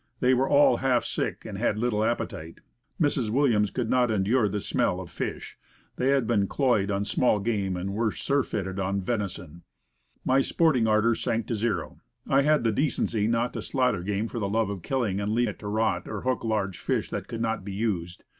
They were all half sick, and had little appetite. Mrs. Williams Ii6 Woodcraft. could not endure the smell of fish; they had been cloyed on small game, and surfeited on venison. My sporting ardor sank to zero. I had the de cency not to slaughter game for the love of killing, and leave it to rot, or hook large fish that could not be used.